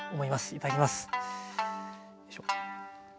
いただきます。